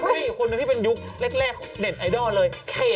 เป็นคนที่เป็นยุคแรกเน็ตไอดอลเลย